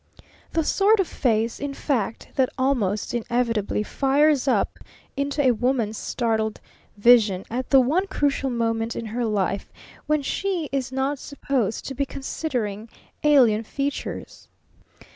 The sort of face, in fact, that almost inevitably flares up into a woman's startled vision at the one crucial moment in her life when she is not supposed to be considering alien features.